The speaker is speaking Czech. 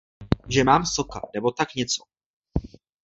Že mám soka, nebo tak něco.